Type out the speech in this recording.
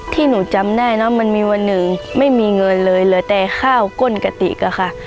หนูจำได้เนอะมันมีวันหนึ่งไม่มีเงินเลยเหลือแต่ข้าวก้นกะติกอะค่ะ